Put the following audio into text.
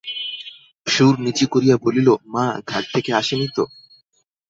সুর নিচু করিয়া বলিল, মা ঘাট থেকে আসে নি তো?